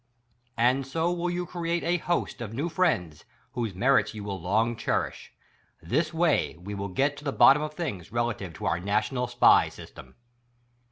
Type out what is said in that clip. And so will you create a host of new friends, whose merits you will long cherish. This way we get to the bottom of things relative to our national SPY system.